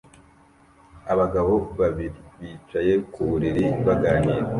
Abagabo babiri bicaye ku buriri baganira